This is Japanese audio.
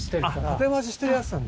建て増ししてるやつなんだ。